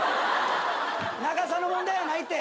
長さの問題やないって。